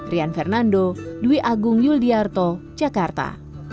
rian fernando dwi agung yul di arto jakarta